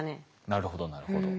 なるほどなるほど。